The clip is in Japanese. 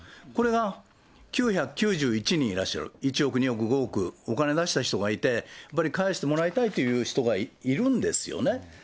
これが９９１人いらっしゃる、１億、２億、５億、お金出した人がいて、やっぱり返してもらいたいという人がいるんですよね。